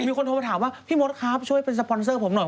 มีคนโทรมาถามว่าพี่มดครับช่วยเป็นสปอนเซอร์ผมหน่อย